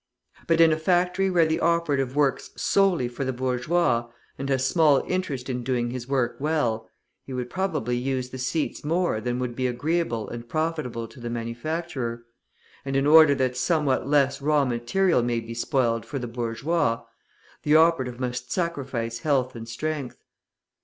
But in a factory where the operative works solely for the bourgeois, and has small interest in doing his work well, he would probably use the seats more than would be agreeable and profitable to the manufacturer; and in order that somewhat less raw material may be spoiled for the bourgeois, the operative must sacrifice health and strength.